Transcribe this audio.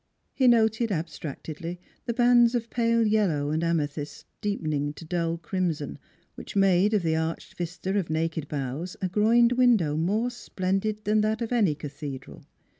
He noted ab stractedly the bands of pale yellow and amethyst deepening to dull crimson, which made of the arched vista of naked boughs a groined window more splendid than that of any cathedral.